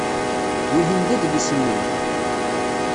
Wihin d adlis-nnem?